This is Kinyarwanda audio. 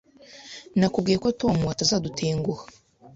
Nakubwiye ko Tom atazadutenguha.